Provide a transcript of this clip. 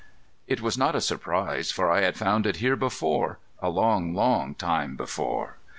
It was not a surprise, for I had found it here before,—a long, long time before.